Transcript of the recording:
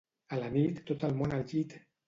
A la nit tot el món al llit!